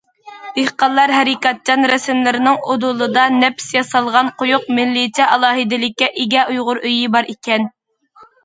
دېھقانلار ھەرىكەتچان رەسىملىرىنىڭ ئۇدۇلىدا نەپىس ياسالغان، قويۇق مىللىيچە ئالاھىدىلىككە ئىگە ئۇيغۇر ئۆيى بار ئىكەن.